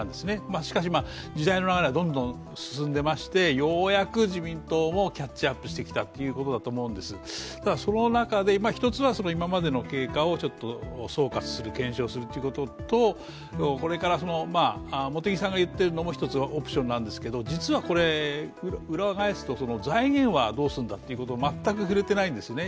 しかし、時代の流れはどんどん進んでいまして、ようやく自民党もキャッチアップしてきたということだと思うんですただ、その中で、１つは今までの経過を総括する、検証するということと茂木さんが言っているのも１つのオプションなんですけど、実は裏返すと財源はどうするんだということに全く触れていないんですね。